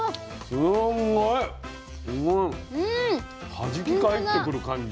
すごい！はじき返してくる感じ。